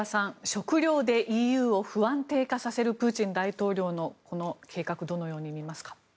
食糧でＥＵを不安定化させるプーチン大統領のこの計画どのように見ますか？